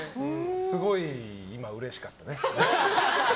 すごい今、うれしかったね。